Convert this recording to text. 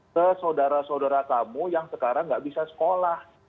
ke saudara saudara kamu yang sekarang nggak bisa sekolah